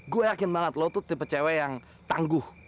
gue yakin banget lu tuh tipe cewe yang tangguh